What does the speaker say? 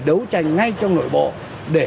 đấu tranh ngay trong nội bộ để